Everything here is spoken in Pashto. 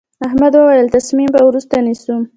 احمد وويل: تصمیم به وروسته نیسم.